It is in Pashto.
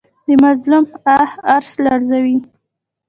د مظلوم آه عرش لرزوي